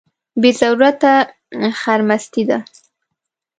بې ضرورته خرمستي ده.